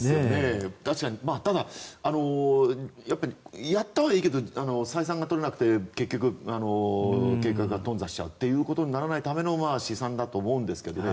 ただ、やったはいいけど採算が取れなくて結局、計画がとん挫することにならないための試算だと思うんですけどね。